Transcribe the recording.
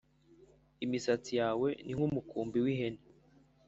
Imisatsi yawe ni nk’umukumbi w’ihene